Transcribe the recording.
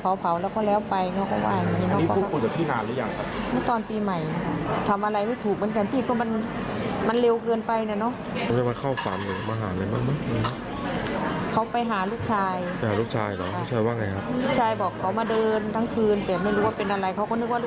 เพราะก็เลยถามว่าใครมาเดินอะไรทั้งคืนนั่นแหละ